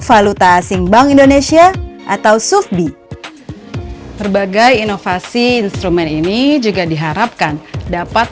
valuta asing bank indonesia atau sufdi berbagai inovasi instrumen ini juga diharapkan dapat